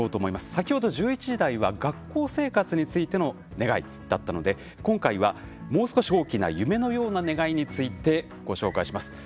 先ほど１１時台が学校生活についての願いだったので今回はもう少し大きな夢のような願いについてご紹介します。